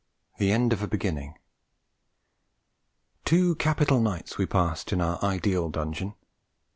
THE END OF A BEGINNING Two capital nights we passed in our ideal dungeon.